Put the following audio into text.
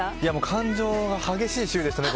感情が激しい週でしたね